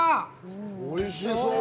おいしそう。